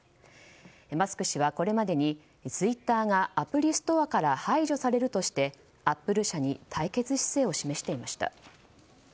マスク氏はこれまでにツイッターがアプリストアから排除されるとしてアップル社に対決姿勢を示していました。